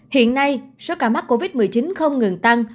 hiện nay số ca mắc covid một mươi chín không ngừng tăng